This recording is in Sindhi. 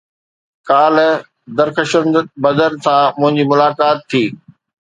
ڪالهه درخشند بدر سان منهنجي ملاقات ٿي